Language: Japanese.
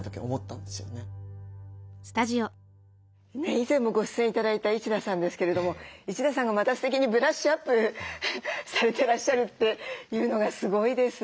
以前もご出演頂いた一田さんですけれども一田さんがまたすてきにブラッシュアップされてらっしゃるというのがすごいです。